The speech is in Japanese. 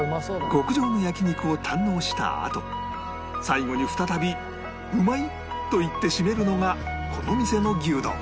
極上の焼肉を堪能したあと最後に再びうまい！と言ってシメるのがこの店の牛丼